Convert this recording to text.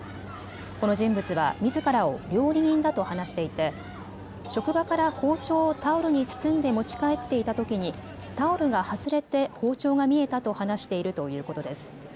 この人物はみずからを料理人だと話していて職場から包丁をタオルに包んで持ち帰っていたときにタオルが外れて包丁が見えたと話しているということです。